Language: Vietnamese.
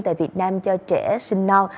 tại việt nam cho trẻ sinh non